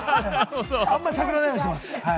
あんまり探らないようにしてます。